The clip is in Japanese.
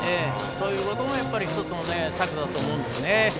そういうのも１つの策だと思うんですね。